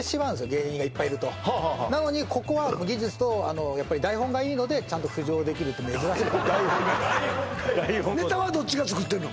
芸人がいっぱいいるとはあはあはあなのにここは技術とのでちゃんと浮上できるって珍しい台本がネタはどっちが作ってんの？